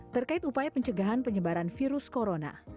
terkait upaya pencegahan penyebaran virus corona